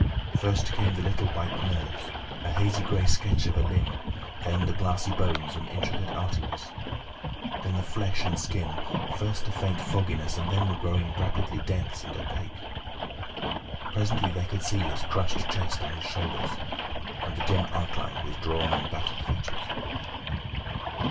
First came the little white nerves, a hazy grey sketch of a limb, then the glassy bones and intricate arteries, then the flesh and skin, first a faint fogginess, and then growing rapidly dense and opaque. Presently they could see his crushed chest and his shoulders, and the dim outline of his drawn and battered features.